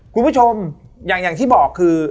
คุณผู้ชมอย่างที่บอกคือ